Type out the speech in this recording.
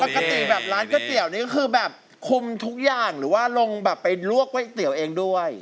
ปกติแบบร้านก๋วยเตี๋ยวนี่ก็คือแบบคุมทุกอย่างหรือว่าลงแบบไปลวกก๋วยเตี๋ยวเองด้วย